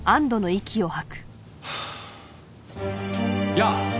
やあ！